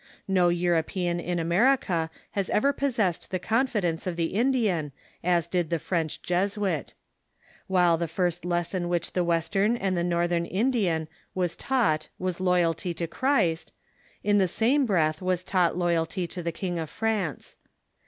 No European in America has ever possessed the confidence of the Indian as did the French Jesuit. While the first lesson which the Western and the Northern Indian was taught was loyalty to Christ, in the same breath was taught loyalty to the King of France.